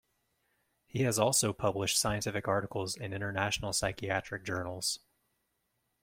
He has also published scientific articles in international psychiatric journals.